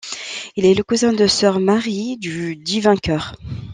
Il est le cousin de sœur Marie du Divin Cœur.